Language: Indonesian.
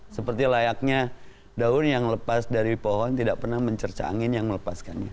seperti layaknya daun yang lepas dari pohon tidak pernah mencerca angin yang melepaskannya